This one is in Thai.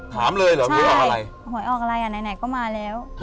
ถามเลยเหรอหวยออกอะไรหวยออกอะไรอ่ะไหนไหนก็มาแล้ว